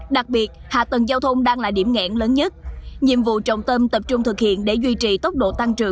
đặc biệt hạ tầng giao thông đang là điểm nghẽn lớn nhất